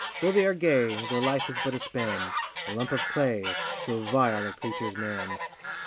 Though they are gay, their life is but a span— A lump of clay—so vile a creature's man.